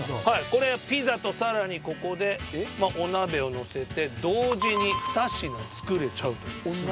はいこれはピザとさらにここでお鍋をのせて同時に２品作れちゃうという。